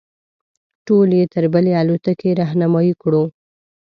ټول یې تر بلې الوتکې رهنمایي کړو.